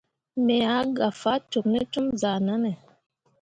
Me ah gah faa cok ne com zahʼnanne.